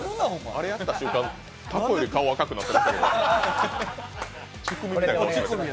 あれやった瞬間、タコより顔赤くなった。